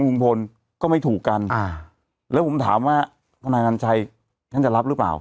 ลุงพลก็ไม่ถูกกันอ่าแล้วผมถามว่าทนายนัญชัยท่านจะรับหรือเปล่า